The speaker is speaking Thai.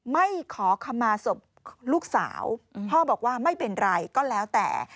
ไม่ขอคำมาศพลูกสาวพ่อบอกว่าไม่เป็นไรก็แล้วแต่